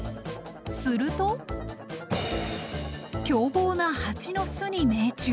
すると凶暴なハチの巣に命中。